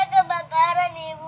aku gak mau lagi sama ibu